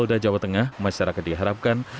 dan setelah itu diberikan akun